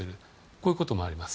こういうこともあります。